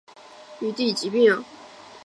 马凡氏症候群为一种遗传性结缔组织疾病。